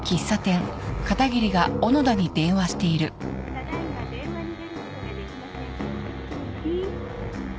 「ただ今電話に出ることができません」